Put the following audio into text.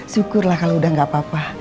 syukurlah kalau udah gak apa apa